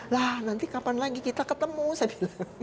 lah nanti kapan lagi kita ketemu saya bilang